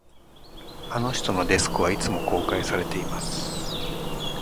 あの人のデスクは、いつも公開されています